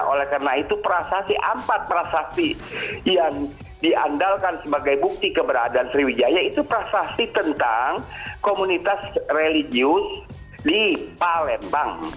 oleh karena itu prasasti empat prasasti yang diandalkan sebagai bukti keberadaan sriwijaya itu prasasti tentang komunitas religius di palembang